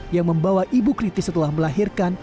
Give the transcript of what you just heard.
yang membawa ibu kritis setelah melahirkan